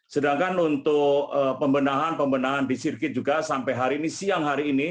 sedangkan untuk pembenahan pembenahan di sirkuit juga sampai hari ini siang hari ini